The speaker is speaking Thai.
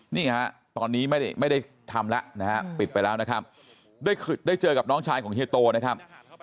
นี่ฮะตอนนี้ไม่ได้ทำแล้วนะฮะปิดไปแล้วนะครับได้เจอกับน้องชายของเฮียโตนะครับ